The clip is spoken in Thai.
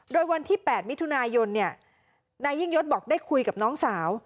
โดยวันที่๘มิถุนายนนายยิ่งยศบอกได้คุยกับน้องสาว